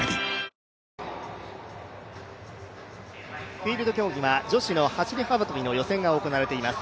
フィールド競技は女子の走り幅跳びの予選が行われています。